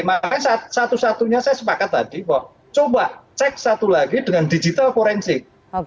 makanya satu satunya saya sepakat tadi bahwa coba cek satu lagi dengan digital forensik